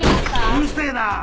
うるせぇな！